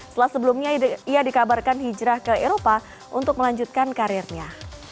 setelah sebelumnya ia dikabarkan hijrah ke eropa untuk melanjutkan karirnya